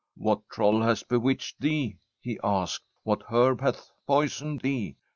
' WTiat troll hath bewitched thee ?" he asked. * Wliat herb hath poisoned thee ?